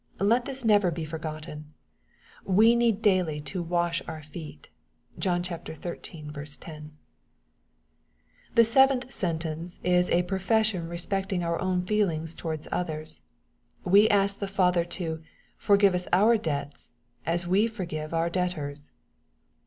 Let this never be forgotten. We need daily to " wash our feet." (John xiii. 10.) The seventh sentence is a profession respecting our otvn feelings towards others : we ask our Father to " forgive us our debts, as we forgive our debtors."